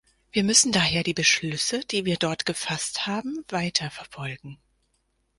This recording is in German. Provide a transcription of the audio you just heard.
Wir müssen daher die Beschlüsse, die wir dort gefasst haben, weiter verfolgen.